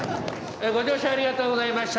「ご乗車ありがとうございました。